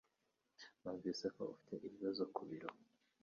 Numvise ko ufite ibibazo ku biro.